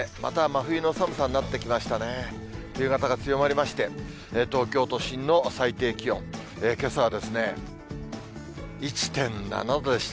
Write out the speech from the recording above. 冬型が強まりまして、東京都心の最低気温、けさはですね、１．７度でした。